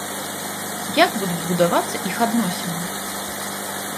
Як будуць будавацца іх адносіны?